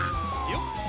よっ！